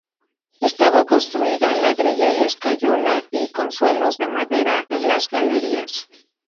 Estaba construido en ladrillo y escayola, y con suelos de madera en las galerías.